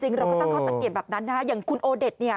เราก็ตั้งข้อสังเกตแบบนั้นนะฮะอย่างคุณโอเด็ดเนี่ย